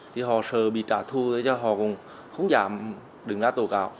thì họ sờ bị trả thu cho họ cũng không dám đứng ra tố cáo